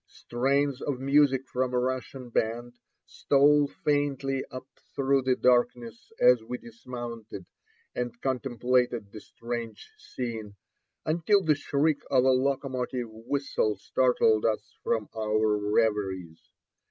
Strains of music from a Russian band stole faintly up through the darkness as we dismounted, and contemplated the strange scene, until the shriek of a locomotive whistle startled us from our reveries.